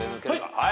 はい！